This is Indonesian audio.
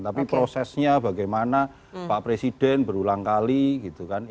tapi prosesnya bagaimana pak presiden berulang kali gitu kan